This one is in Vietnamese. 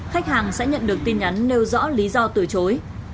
khách hàng sẽ nhận được tin nhắn nêu rõ lý do từ chối